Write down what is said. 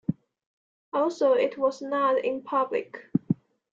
Also, it was not in public.